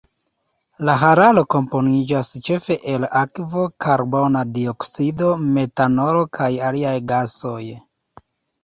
La hararo komponiĝas ĉefe el akvo, karbona dioksido metanolo kaj aliaj gasoj.